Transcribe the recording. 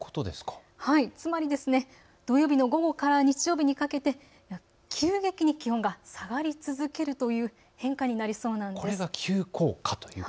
つまり土曜日の午後から日曜日にかけて急激に気温が下がり続けるという変化になりそうなんです。